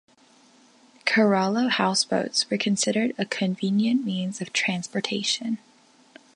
Kerala houseboats were considered a convenient means of transportation.